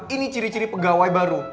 ini ciri ciri pegawai baru